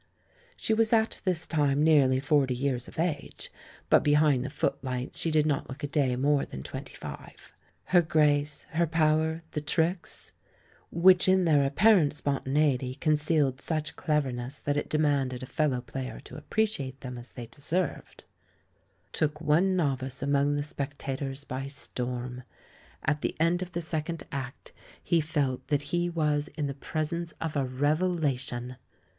She was at this time nearly forty years of age, but behind the footlights she did not look a day more than twenty five. Her grace, her power, the tricks — which in their apparent spontaneity concealed such cleverness that it demanded a fel low player to appreciate them as they deserved — took one novice among the spectators by storm. At the end of the second act he felt that he was 98 THE MAN WHO UNDERSTOOD WOMEN in the presence of a revelation.